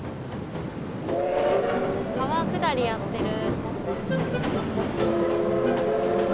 川下りやってる。